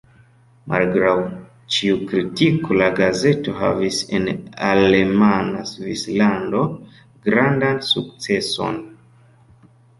Malgraŭ ĉiu kritiko la gazeto havis en alemana Svislando grandan sukceson.